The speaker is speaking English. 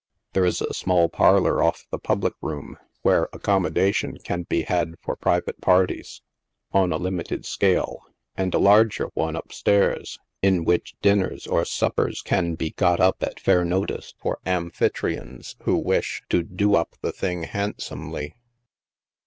There is a small parlor off the public room, where accommodation can be had for private parties, on a limited scale, and a larger one up stairs, in which dinners or suppers can be got up at fair notice, for Amphitry ons who wish to " do the thing up" handsomely.